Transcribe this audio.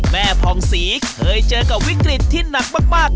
ผ่องศรีเคยเจอกับวิกฤตที่หนักมาก